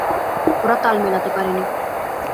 ওরা তাল মেলাতে পারেনি।